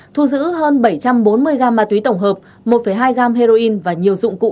thu giữ hơn bảy trăm bốn mươi g ma túy tổng hợp một hai gam heroin và nhiều dụng cụ